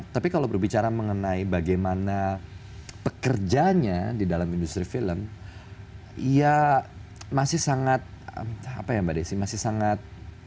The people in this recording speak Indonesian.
tapi kalau berbicara mengenai bagaimana pekerjanya di dalam industri film ya masih sangat apa ya mbak desi masih sangat